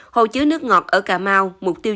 hồ chứa nước ngọt ở cà mau